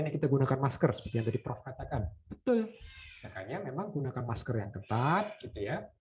kita gunakan masker seperti yang tadi prof katakan betul memang gunakan masker yang ketat